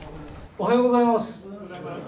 おはようございます。